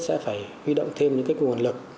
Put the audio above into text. sẽ phải huy động thêm những cái nguồn lực